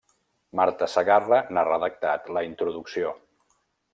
Marta Segarra n'ha redactat la introducció.